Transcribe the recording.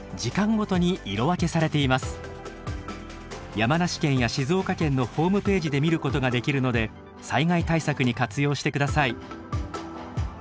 山梨県や静岡県のホームページで見ることができるので災害対策に活用して下さい。